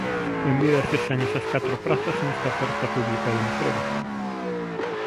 Benvidas sexan esas catro prazas nesta oferta pública de emprego.